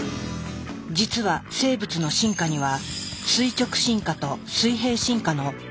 実は生物の進化には垂直進化と水平進化の２つがあるという。